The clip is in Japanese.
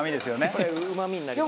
これうまみになります。